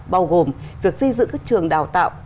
bao gồm việc di dự các trường đào tạo